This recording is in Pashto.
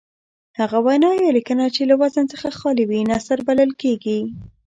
هغه وینا یا لیکنه چې له وزن څخه خالي وي نثر بلل کیږي.